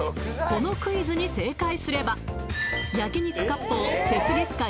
このクイズに正解すれば焼肉割烹雪月花